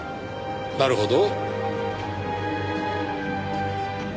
なるほど。